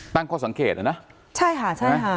ตั้งข้อสังเกตนะใช่ค่ะ